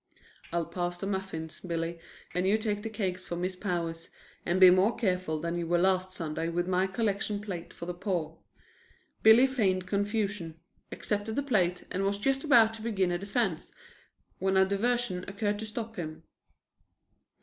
"I'll pass the muffins, Billy, and you take the cakes for Miss Powers, and be more careful than you were last Sunday with my collection plate for the poor." Billy feigned confusion, accepted the plate and was just about to begin a defense, when a diversion occurred to stop him.